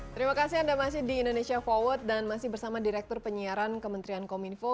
terima kasih anda masih di indonesia forward dan masih bersama direktur penyiaran kementerian kominfo